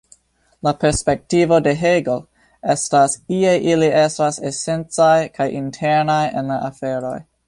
La perspektivo de Hegel estas le ili estas esencaj kaj internaj en la aferoj.